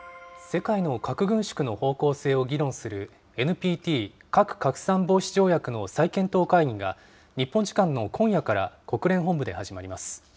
世界の核軍縮の方向性を議論する、ＮＰＴ・核拡散防止条約の再検討会議が、日本時間の今夜から国連本部で始まります。